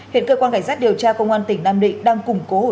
hiện cơ quan cảnh sát điều tra công an tỉnh nam định đang củng cố hồ sơ để xử lý